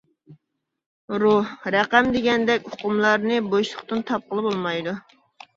روھ، رەقەم دېگەندەك ئۇقۇملارنى بوشلۇقتىن تاپقىلى بولمايدۇ.